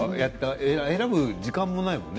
選ぶ時間もないもんね。